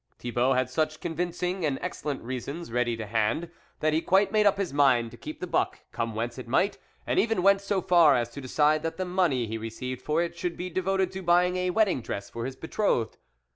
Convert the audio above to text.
Thibault had such convincing and ex cellent reasons ready to hand, that he quite made up his mind to keep the buck, come whence it might, and even went so far as to decide that the money he re ceived for it should be devoted to buying a wedding dress for his betrothed.